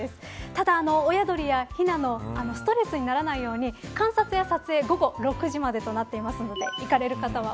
ただ、親鳥やひなのストレスにならないように観察や撮影は午後６時までとなっていますので行かれる方は